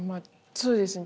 そうですね。